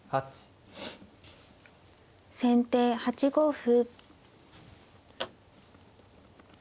先手８五歩。